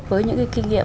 với những cái kinh nghiệm